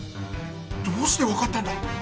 どうして分かったんだ